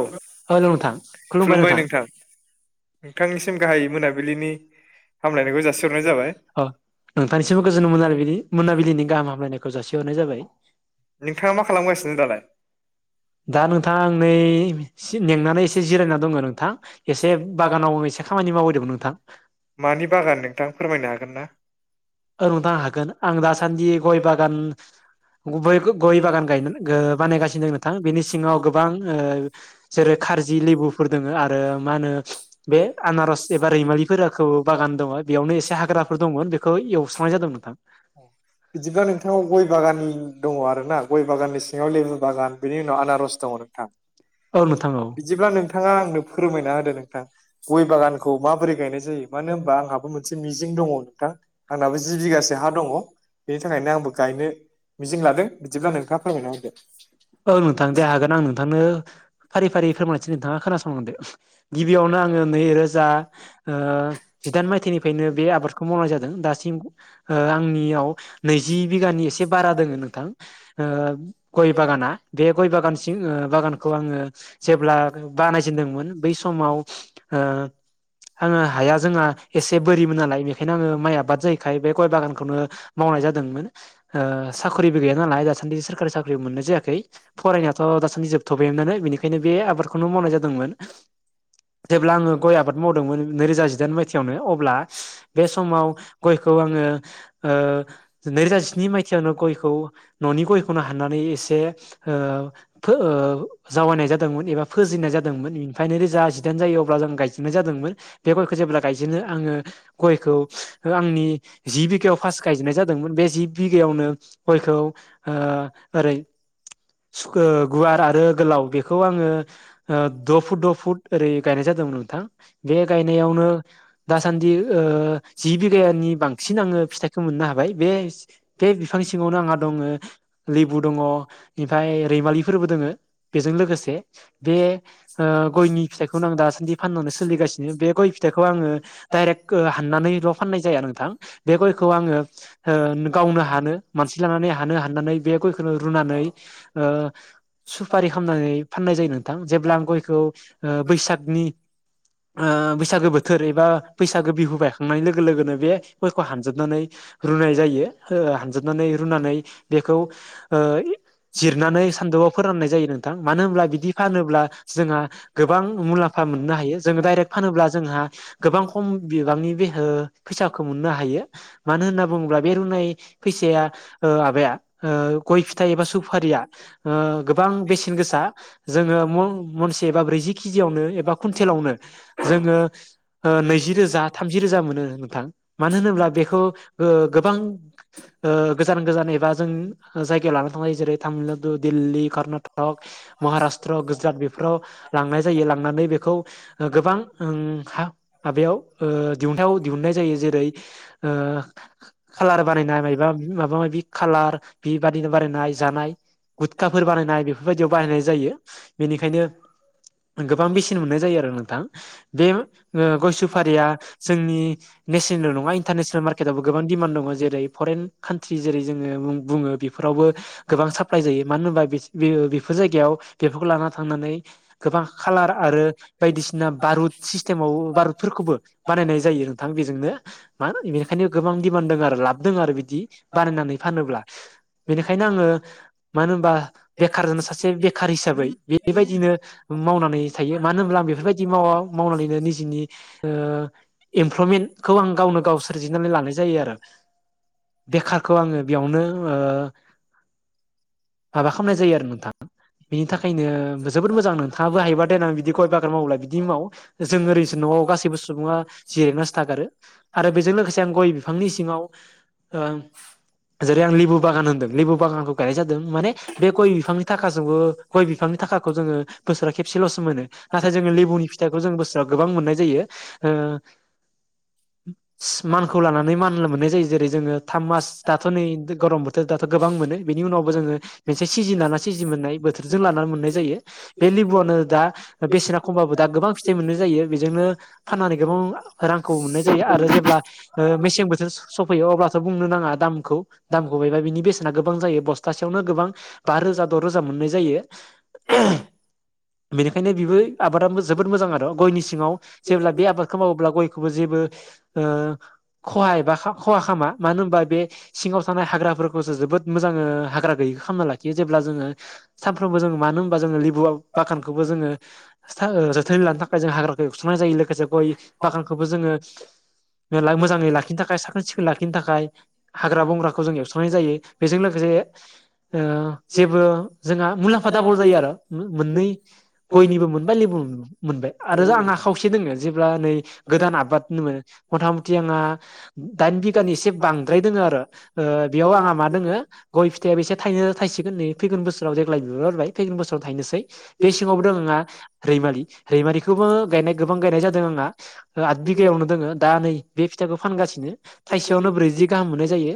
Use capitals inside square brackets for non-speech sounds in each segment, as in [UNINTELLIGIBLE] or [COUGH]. औ हेलौ नोंथां खुलुमबाय नोंथां नोंथांनिसिम नोंथांनिसिम गाहाय मोनाबिलिनि मोनाबिलिनि हामलायनायखौ जासि हरनाय जाबाय नोंथांनिसिमबो गोजोन मोनाबिलिनि मोनाबिलिनि गाहाम हामलायनायखौ जासि हरनाय जाबाय [INAUDIBLE] नोंथांङा मा खालामगासिनो दा नोंथां नै मेंनानै एसे जिरायना दङ नोंथां एसे बागानाव आं एसे खामानि मावहैदोंमोन नोंथां मानि बागान नोंथां फोरमायनो हागोन ना? ओ नोंथांनो हागोन आं दासान्दि गय बागान [UNINTELLIGIBLE] गय बागान गाय बानायगासिनो दं नोंथां बेनि सिङाव गोबां जेरै खारजि लेबुफोर दङ आरो मा होनो बे आनारस एबा रैमालिखौ बागान दङ बेयावनो एसे हाग्राफोर दङमोन बेखौ एव बिदिब्ला नोंथांनाव गय बागाननि दङ आरो ना गय बागाननि सिङाव लेबु बागान बिनि उनाव आनारस दङ नोंथां औ नोंथां औ बिदिब्ला नोंथाङा आंनो फोरमायना होदो नोंथां। गय बागानखौ माबोरै गायनाय जायो मानो होनबा आंहाबो मोनसे मिजिं दङ नोंथां आंनाबो जि बिगसो हा दङ बेनि थाखायनो आंबो गायनो मिजिं लादों बिदिब्ला नोंथाङा फोरमायना होदो औ नोंथां दे हागोन आं नोंथांनो फारि फारि फोरमायसै नोंथाङा खोनासंलांदो। गिबियावनो आं नै रोजा ओ जिदाइन मायथाइनिफ्रायनो बे आबादखौ मावनाय जादों दासिम आंनियाव नैजि बिगानि एसे बारा दोङो नोंथां ओ गय बागाना बे गय बागानसिम बागानखौ आंङो जेब्ला बानायजेनदोंमोन बै समाव ओङो हाया जोंहा एसे बोरिमोन नालाय बेखायनो आङो माइ आबाद जायैखाय बे गय बागानखौनो मावनाय जादोंमोन साख्रिबो गैया नालाय दासान्दि सोरखारि साख्रि मोननाय जायाखै फरायनायाथ' दासान्दि जोबथ'बायोनोमोन बेनिखायनो बे आबादखौनो मावनाय जादोंमोन जेब्ला आंङो गय आबाद मावदोंमोन नैरोजा जिदाइन मायथाइ अब्ला बे समाव गयखौ आंङो नैरोजा जिनै मायथायावनो गयखौ न'नि गयखौनो हाननानै जावायनाय एबा जादोंमोन बा फोजेननाय जादोंमोन ओनफ्राय अब्ला जों जादोंमोन। बे गयखौ जेब्ला गायजेनो आङो गयखौ आंनि जि बिगायाव फार्स् गायजेेननाय जादोंमोन बे जि बिगायावनो गयखौ ओरै गुवार आरो गोलाव बेखौ आङो द' फुट द' फुट ओरै गायनाय जादोंमोन नोंथां बे गायनायावनो दासान्दि ओ जि बिगानि बांसिन आङो फिथाइखौो मोननो हाबाय बे बे बिफां सिङावनो आंहा दङ लेबु दङ ओमफ्राय रैमालिफोरबो दङो बेजों लोगोसे बे ओ गयनि बेखौनो आं दासान्दि फानननानैनो सोलिगासिनो बे गय फिथाइखौ खौ आङो डाइरेक्ट हाननानैल' फाननाय जाया नोंथां बे गयखौ आङो ओ गावनो हानो मानसि लानानै हानो हाननानै बे गयखौनो रुनानै ओ सुफारि खालामनानै फाननाय जायो नोंथां जेब्ला आं गयखौ ओ बैसागनि ओ बैसागोबोथोर बोथोर एबा बैसागु बिहु बायखांनाय लोगो लोगोनो बे गयखौ हानजाबनानै रुनाय जायो ओ हानजाबनानै रुनानै बेखौ ओ जिरनानै सानदौआव फोराननाय जायो नोंथां मानो होनोमब्ला बिदि फानोब्ला जोंहा गोबां मुलाम्फा मोननो हायो जोङो डाइरेक्ट फानोब्ला जोंहा गोबां खम बिबांनि बे फैसाखौ मोननो हायो मानो होनना बुङोब्ला बे रुनाय फैसाया माबाया गय फिथाइ एबा सुफारिया गोबां बेसेन गोसा जोङो मुनसे एबा ब्रै केजियावनो एबा कुइेलावनो जोङो नैजि रोजा थामजि रोजा मोनो नोंथां मानो होनोब्ला बेखौ ओ गोबां गोजान गोजान एबा जों जायगायाव ला थांङो जेरै तामिलनाडु, दिल्ली, कर्नाटक, महाराष्ट्र, गुजरात बेफोराव लांनाय जायो लांनानै बेखौ गोबां हा बेयाव दिहुनथाइाव दिहुनन्नाय जायो जेरै खाालार बानायनाय मा माबा माबि खाालार बेबादिनो बानायनाय जानाय गुटखाफोर बानायनाय बेफोरबायदियाव बाहायनाय जायो बेनिखायनो गोबां बेसेन मोननाय जायो आरो नोंथां बे गयसुफारिया जोंनि नेसनेल नङा इन्टारनेसनेल मार्केटावबो गोबां दिडिमान्ड दङ जेरै फरेन कान्ट्रि जेरै जोङो बुङो बेफोरावबो गोबां साप्लााय जायो मानो होनबा बेफोर जायगायाव बेफोरखौ लाना थांनानै गोबां खालार आरो बायदिसिना बारुद सिस्टेम बारुदफोरखौबो बानायनाय जायो नोंथां बेजोंनो मा बेनिखायनो गोबां दिमान दं आरो लाब दोंङो आरो बिदि बानायनानै फानोब्ला बेनिखायनो आंङो मानो होनबा बेखार जानाय सासे बेखार हिसाबै बेबायदिनो मावनानै थायो मानो होनब्ला आं बेफोरबायदि मावा मावनानैनो एमप्लमेन्टखौ आं गावनो गाव सोरजिनानै लानाय जायो आरो बेखारखौ आङो बेयावनो माबा खालामनाय जायो आरो नोंथाङा बेनि थाखायनो जोबोद मोजां नोंथां नोंथाङाबो होयोब्ला देनां बिदि गय बागान माव न'आव गासैबो सुबुङा जिरायनासो थागारो आरो बेजों लोगोसे आं गय बिफांनि सिङाव जेरै आं लेबु बागान होनदों लेबु बागानखौ गायनाय जादों माने बे गय बिफांनि थाखाजोंबो गय बिफांनि थाखाखौ जोङो बोसोराव खेसेलसो मोनो नाथाय जोङो लेबुनि फिथाइखौ जों बोसोराव गोबां मोननाय मानखौ लानानै मान मोननाय जायो जेरै जोङो थाम मास दाथ' नै गरम बोथोर दाथ' गोबां मोनो बेनि उनावबो जोङो मोनसे सिजि लाना सिजि मोननाय बोथोरजों लानानै मोननाय जायो बे लेबुआनो दा बेसेना खमबाबो दा गोबां फिथाइ मोनाय जायो। बेजोंनो फाननानै गोबां रांखौ मोननाय जायो आरो जेब्ला मेसें बोथोर सफैयो अब्लाथ' बुंनो नाङा दामखौ दामखौ बायबा बिनि बेसेना गोबां जायो बस्थासेयावनो गोबां बा रोजा द' रोजा मोननाय जायो। बेनिखायनो बेबो आबादाबो जोबोद मोजां आरो गयनि सिङाव जेब्ला बे आबादखौ मावोब्ला गयखौबो जेबो खहा एबा खहा खालामा मानो होनबा बे सिङाव थानाय हाग्राफोरखौसो जोबोद मोजाङ हाग्रा गैयिखौ खालामना लाखियो जेब्ला जोङो सानफ्रोमबो जोो मानो होनबा जोङो लेबुआव बागानखौबो जोङो जोथोनै लानो थाखाय जों हाग्रा एवस्रांनाय जायो लोगोसे गय बागानखौबो जोङो मेर मोजाङै लाखिनो थाखाय साखोन सिखोन लाखिनो थाखाय हाग्रा बंग्राखौ जों एवस्रांनाय जायो बेजों लोगोसे जेबो जोंहा मुलाम्फा दाबल जायो आरो। मोननै गयनिबो मोनबाय लेबुनि मोनबाय आरो आंहा खावसे दोङो जेब्ला नै गोदान आबाद होनोमोन मथा मथि आंहा दाइन बिगानि एसे बांद्राय दोङो आरो बेयाव आंहा मा दङो गय फिथाइाबो एसे थाइनै थायसिगोन नै फैगोन बोसोराव देग्लाय बिहारारबाय फैगोन बोसोराव थायनोसै बे सिङावबो दं आंहा रैमालि रैमालि गोबां गायनाय जादों आंहा आद बिगायानो दङ दा नै बे फिथाइखौ फानगासिनो थाइसेयावनो बैज्रि गाहाम मोन्नाय जायो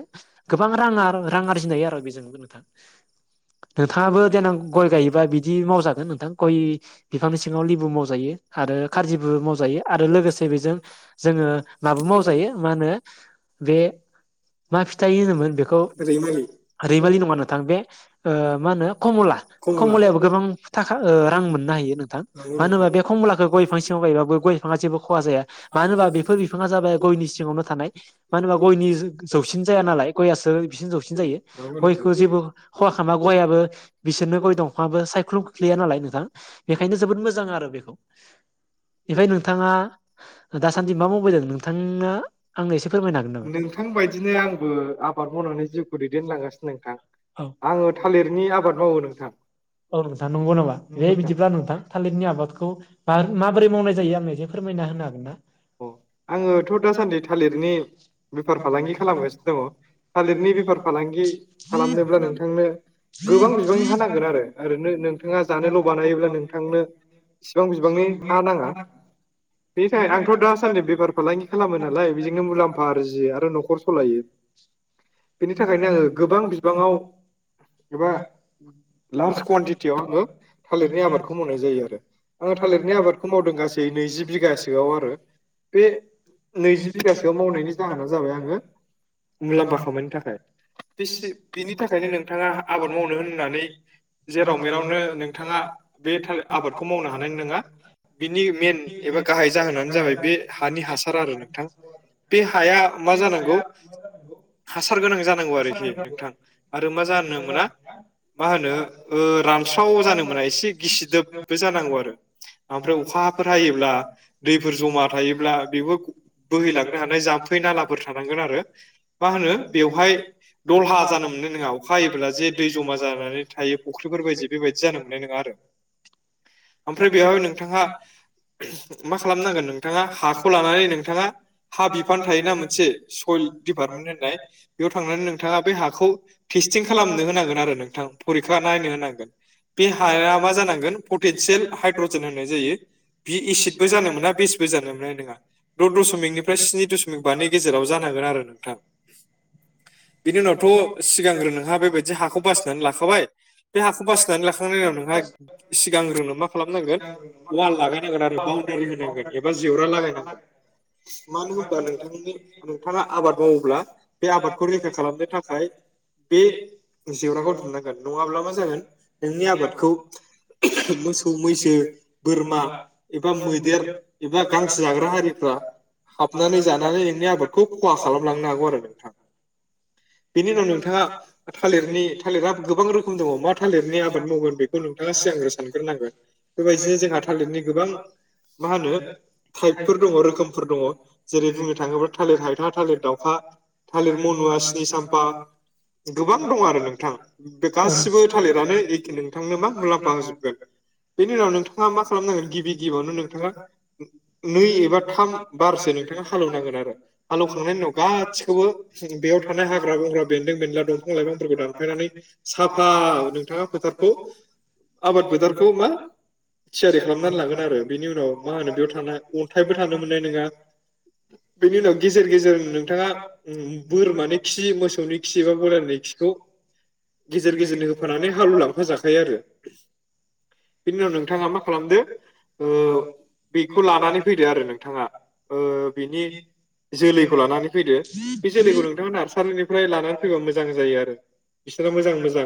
गोबां रां आरजि नो हायो नोंथां आबो देनां गय गायोब्ला जागोन नोंथां गय बिफांनि सिङाव लिबु मावजायो आरो खारजिबो मावजायो आरो लोगोसे बेजों जोङो माबो मावजायो मा होनो बे मा फिथाइ होनोमोन बेखौ ओरै मारै रैमालि नङा नोंथां बे मा होनो कमला कमला कमलाबो नंगौ गोबां थाखा रां नोंथां मोननो हायो नोंथां नंगौ मानो नोंथां होनबा बे खम गय बिफां सिङाव गायबाबो गय बिफाङा जेबो खहा जाया मानो होनबा बेफोर बिफाङा जाबाय गयनि सिङावनो थानाय मानो होनबा गयनि जौसिन जाया नालाय गयसो बिसिनि जौसिन जायो गयखौ जेबो खहा खालामा गयाबबो बिसोरनो गय दंफांआबो सायख्लुम गैया नालाय नोंथां बेखायनो जोबोद मोजां आरो बेखौ ओमफ्राय नोंथाङा दासान्दि मा मावबाय जादों नोंथाङा आंनो एसे फोरमायनो नोंथां बायदिनो आंबो आबाद मावनानै जिउखौ दैदेनलांगासिनो नोंथां हागोन नामा आङो थालिरनि आबाद मावो नोंथां [UNINTELLIGIBLE] औ औ नोंथां नंगौ नामा बे बिदिब्ला नोंथां थलिरनि आबादखौ माबोरै मावनाय जायो आंनिनो एसे फोरमायना होनो हागोन ना ना अ आङोथ' दासान्दि थालिरनि बेफार फालांगि खालामगासिनो दङ थालिरनि बेफार फालां फालांगि खालामनोब्ला नोंथांनो गोबां बिबांनि हा नांगोन आरो ओरैनो नोंथाङा जानोल' बानायोब्ला नोंथांनो इसिबां बिबांनि हा नाङा बेनि थाखाय आं त दासान्दै बेफार फालांगि खालामो नालाय बेजोंनो मुलाम्फा आरजियो आरो न'खर सालायोनि बेनि थाखायनो आङो गोबां बिबाङाव एबा लार्ज कुवानटिटियाव आङो थालिरनि आबादखौ मावनाय जायो आरो आङो थालिरनि आबादखौ मावदों गासै नैजि बिगासोआव आरो बे नैजि बिगासोआव मावनायनि जाहोना जाबाय आङो मुलाम्फा खामनो थाखाय बिनि थाखायनो नोंथाङा आबाद मावनो होननानै जेराव मेरावनो नोंथाङा बे थालिर आबादखौ मावनो हानाय नङा। बिनि मेन एबा गाहाय जाहोनानो जाबाय बे हानि हासार आरो नोंथां बे हाया मा जानांगौ हासार गोनां जानांगौ आरोखि नोंथां आरो मा जानो मोना मा होनो रानस्राव जानो मोना एसे गिसिदोबबो जानांगौ आरो ओमफ्राय अखा फोर हायोब्ला दैफोर जमा थायोब्ला बेबो बोहैलांनो हानाय जाम्फै नालाफोर थानांगोन आरो मा होनो बेवहाय दलहा जानो मोननाय नङा अखा हायोब्ला जे दै जमा जानानै थायो फुख्रिफोर बायदि बेबायदि जानो मोननाय नङा आरो। ओमफ्राय बेवहाय नोंथाङा मा खालामनांगोन नों नोथांङा हाखौ लानानै नोंथाङा हा बिफान थायोना मोन सयेल दिपारटमेनट होननाय बेयाव थांनानै नोंथाङा बे हाखौ टेस्टिं खालामनो होनांगोन आरो नोंथां परिखा नायनो होनांगोन बे हाया मा जानांगोन पटि सेल हायड्रजेन होनाय जायो बि एसिदबो जानो मोना बे होजानो मोननाय नङा द' दशठदमिकनिफ्राय स्नि दशमिक बानि गेजेराव जानांगोन आरो नोंथां बिनि उनावथ' सिगांग्रो नोंहा बेबायदि हाखौ बासिनानै लाखाबाय बे हाखौ बासिनानै लाखांनायनि उनाव नोंहा सिगांग्रोंनो मा खालामनांगोन वाल लागायनो नांगोन आरो बाउणडारि होनांगोन एबा जेवरा लागायनांगोन मानो होनबा नोंथांनि नोंथाङा आबाद मावोब्ला बे आबादखौ रैखा खालामनो थाखाय बे जेवराखौ दुंनांगोन नङा माब्लाबा जागोन नोंनि आबादखौ मोसौ मैसो बोरमा एबा मैदेर एबा गांसो जाग्रा हारिफ्रा हाबनानै जानानै नोंनि आबादखौ खहा खालामलांनो हागौ आरो नोंथां बेनि उनाव नोंथाङा थालिरनि थालिरा गोबां रोखोम दङ मा थालिरनि आबाद मावगोन बेखौ नोंथाङा सिगांग्रो सानग्रोनांगोन बेबायदिनो जोंहा थालिरनि गोबां मा होनो थाइफोर दङ रोखोमफोर दङ जेरै बुंनो थाङोॅब्ला थालिर माइला थालिर लावफ थालिर मलुवा सिनि साम फा गोबां दं आरो नोंथां बे गासिबो थालिरानो औ नोंथांनो मा मुलाम्फा होजोबगोन बेनि उनाव नोंथाङा मा खालामनांगोन गिबि गिबियावनो नोंथाङा नै एबा थाम बारसो नोंथाङा हालेवनांगोन आरो हालेवखांनायनि उनाव गासिखौबो बेयाव थानाय हाग्रा बेन्दों बेनला दंफां लाइफांफोरखौ दानफायनानै साफा नोंथांङा फोथारखौ आबाद फोथारखौ मा थियारि खालामना लागोन आरो बिनि उनाव मा होनो अन्थायबो थानो मोननाय नोंङा बेनि उनाव गेजेर गेजर नोंथाङा बोरमानि खि मो खि एबा बयलारनि खिखौ गेजेर गेजेरनि होफानानै हालेव लांफा जाखायो आरो बिनि उनाव नोंथाङा मा खालामदो ओ बेखौ लानानै फैदो आरो नोंथाङा ओ बिनि जोलैखौ लानानै फैदो बे जोलैखौ नोंथाङा नार्सारिनिफ्राय लानानै फैबा मोजां जायो आरो बिसोरो मोजां मोजां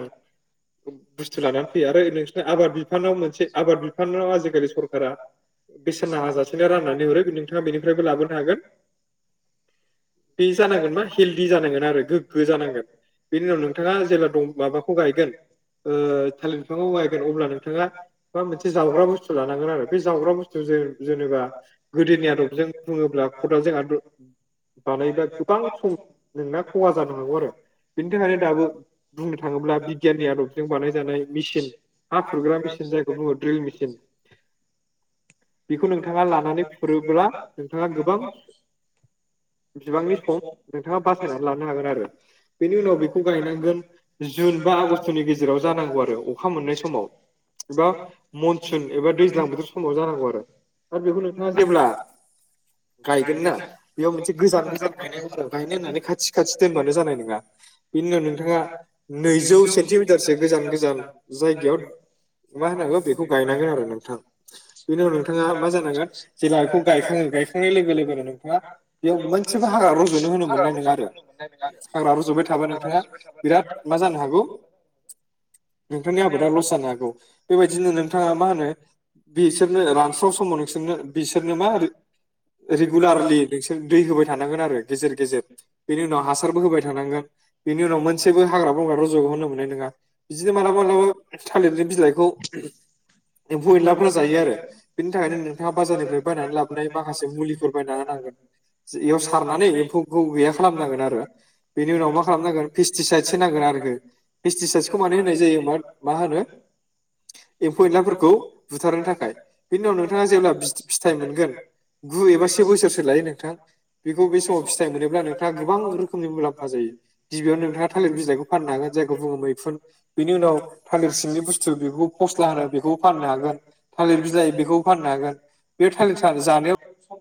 बुस्थु लानानै फैयो आरो नोंसोरना आबाद बिफानाव मोनसे आबाद बिफानाव आजिखालि सरकारा बेसेन नाङाजासेनो राननानै हरो नोंथाङा बेनिफ्रायबो लाबोनो हागोन। बे जानांगोन मा हेलदि जानांगोन आरो गोग्गो जानांगोन बेनि उनाव नोंथाङा जेब्ला दं माबाखौ गायगोन ओ थालिर बिफांखौ गायगोन अब्ला नोंथाङा माबा मोनसे जावग्रा बुस्थु लानांगोन आरो बे जावग्रा बुस जे-जेनेबा गोदोनि आदबजों बुङोब्ला खदालजों आद बानायबा गोबां सम नोंना खहा जानो हागौ आरो बिनि थाखायनो दाबो बुंनो थाङोब्ला बिगियाननि आदबजों बानायजानाय मेसिन हा फुरग्रा मेसिन जायखौ बुङो द्रिल मेचिन। बेखौ नोंथाङा लानानै फुरोब्ला नोंथाङा गोबां बिबांनि सम नोंथाङा बासायनानै लानो हागोन आरो बेनि उनाव बेखौ गायनांगोन जुन बा आगष्ट'नि गेजेराव जानांगौ आरो अखा मोननाय समाव एबा मनसुन एबा दैज्लां बोथोर समाव जानांगौ आरो आरो बेखौ नोंथाङा जेब्ला गायगोन ना बेयाव मोनसे गोजान गोजान गायनांगौ आरो गायनो होननानै खाथि खाथि दोनबानो जानाय नोङा बेनि उनाव नोंथाङा नैजौ सेन्टिमिटारसो गोजान गोजान जायगायाव मा होनांगौ बेखौ गायनांगोन आरो नोंथां बेनि उनाव नोंथाङा मा जानांगोन जेब्ला बेखौ गायखाङो गायखांनाय लोगो लोगोनो नोंथाङा बेयाव मोनसेबो रज'नो होनो हाग्रा मोननाय नङा आरो रज'नो होनो मोननाय नङा आरो हाग्रा रज'बाय थाबा नोंथाङा बिराद मा जानो हागौ नोंथांनि आबादा लस जानो हागौ बेबायदिनो नोंथाङा मा होनो बिसोरनो रानस स्राव समाव नोंसोरनो बिसोरनो मा रेगुलारलि नोंसोर दै होबाय थानांगोन आरो गेजेर गेजेर बेनि उनाव हासारबो होबाय थानांगोन बेनि उनाव मोनसेबो हाग्रा बंग्रा रज होनो मोननाय नोङा बिदिनो मालाबा मालाबा थालिरनि बिलाइखौ एम्फौ एनलाफ्रा जायोआरो बिनि थाखायनो नोंथाङा बाजारनिफ्राय बायनानै लाबोनाय माखासे मुलिफोर बायना होनांगोन बेयाव सारनानै एम्फौखौ गैया खालामनांगोन आरो बेनि उनाव मा खालामनांगोन फेस्टिसाइद नांगोन आरोखि फेस्टिसाइदखौ मा नाय जायोमोन मा माहोनो एम्फौ एनलाफोरखौ बुथारनो थाखाय बिनि उनाव नोंथाङा जेब्ला फि-फि-फिथाइ मोनगोन गु एबा से बोसोरसो लायो नोंथां बेखौ बे समाव फिथाइ मोनोब्ला नोंथाङा गोबां रोखोमनि मुलाम्फा जायो गिबियावनो नोंथाङा थालिर बिलाइखौ फाननो हागोन जायखौ बुङो मैखुन। बेनि उनाव थालिर सिंनि बुस्थु बेखौ फस्ला होनो बेखौबो फाननो हागोन थालिर बिलाइ बेखौबो फाननो हागोन बे थालिर था जानायाव